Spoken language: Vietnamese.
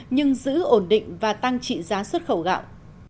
nhưng giữ ổn định và tăng trị giá xuất khẩu gạo